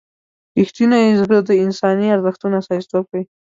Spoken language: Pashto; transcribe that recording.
رښتونی زړه د انساني ارزښتونو استازیتوب کوي.